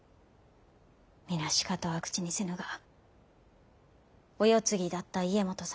皆しかとは口にせぬがお世継ぎであった家基様